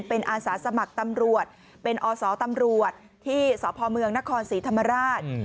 เป็นอาสาสมัครตำรวจเป็นอศตำรวจที่สพเมืองนครศรีธรรมราช